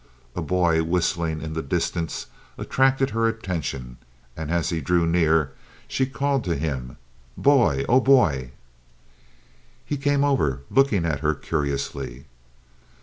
A boy whistling in the distance attracted her attention, and as he drew near she called to him: "Boy! Oh, boy!" He came over, looking at her curiously.